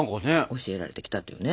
教えられてきたっていうね。